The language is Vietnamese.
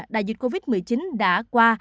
đại dịch covid một mươi chín đã qua